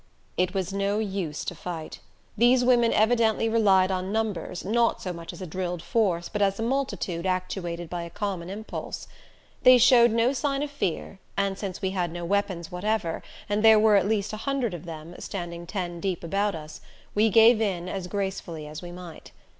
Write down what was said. It was no use to fight. These women evidently relied on numbers, not so much as a drilled force but as a multitude actuated by a common impulse. They showed no sign of fear, and since we had no weapons whatever and there were at least a hundred of them, standing ten deep about us, we gave in as gracefully as we might.